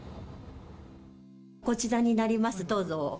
こちらになりますどうぞ。